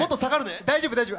大丈夫大丈夫。